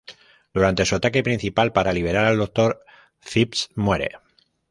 Durante su ataque principal para liberar al Doctor, Phipps muere.